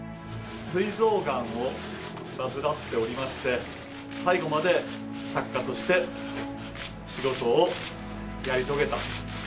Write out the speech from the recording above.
すい臓がんを患っておりまして、最後まで作家として、仕事をやり遂げた。